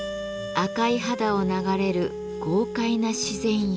赤い肌を流れる豪快な自然釉。